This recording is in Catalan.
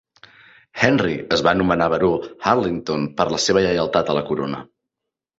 Henry es va nomenar Baró Arlington per la seva lleialtat a la corona.